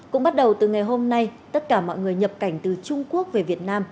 cũng bắt đầu từ ngày hôm nay tất cả mọi người nhập cảnh từ trung quốc về việt nam